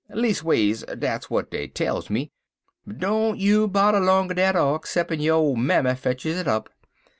Leas'ways, dat's w'at dey tells me. But don't you bodder longer dat ark, 'ceppin' your mammy fetches it up.